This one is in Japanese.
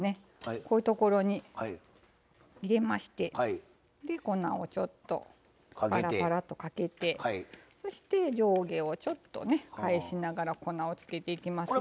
こういうところに入れまして粉をちょっとパラパラとかけてそして上下をちょっと返しながら粉をつけていきますよ。